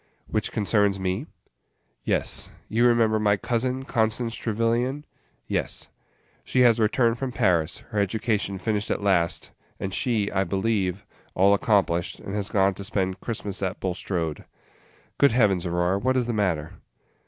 "Which concerns me?" "Yes. You remember my cousin, Constance Trevyllian?" "Yes " "She has returned from Paris, her education finished at last, and she, I believe, all accomplished, and has gone to spend Christmas at Bulstrode. Good Heavens, Aurora, what is the matter?"